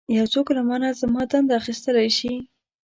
یو څوک له مانه زما دنده اخیستلی شي.